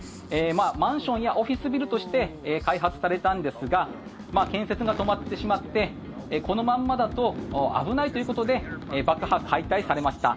マンションやオフィスビルとして開発されたんですが建設が止まってしまってこのままだと危ないということで爆破解体されました。